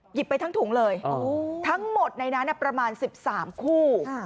ไปทั้งถุงเลยทั้งหมดในนั้นประมาณ๑๓คู่